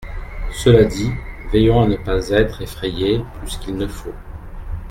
Cela dit, veillons à ne pas être effrayés plus qu’il ne le faut.